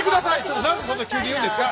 何でそんな急に言うんですか！